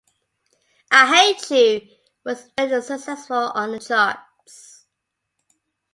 "I Hate U" was very successful on the charts.